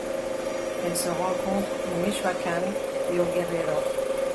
Elle se rencontre au Michoacán et au Guerrero.